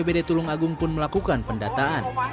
bpbd tulung agung pun melakukan pendataan